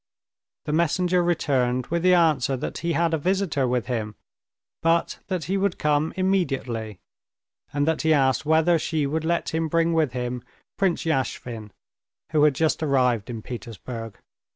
The messenger returned with the answer that he had a visitor with him, but that he would come immediately, and that he asked whether she would let him bring with him Prince Yashvin, who had just arrived in Petersburg.